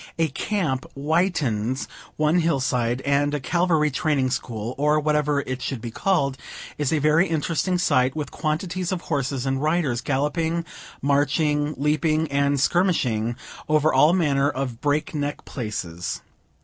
A camp whitens one hill side, and a cavalry training school, or whatever it should be called, is a very interesting sight, with quantities of horses and riders galloping, marching, leaping, and skirmishing, over all manner of break neck places.